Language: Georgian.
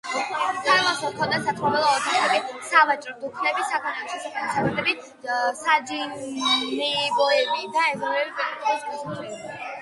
ქარვასლას ჰქონდა საცხოვრებელი ოთახები, სავაჭრო დუქნები, საქონლის შესანახი სარდაფები, საჯინიბოები და ეზოები პირუტყვის გასაჩერებლად.